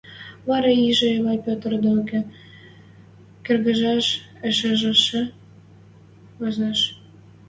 вара ижӹ Эвай Петр докы кыргыжаш ышешӹжӹ вазеш.